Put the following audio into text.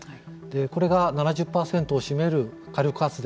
これが７０％を占める火力発電